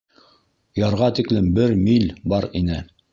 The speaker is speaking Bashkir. Ярға тиклем бер миль бар ине.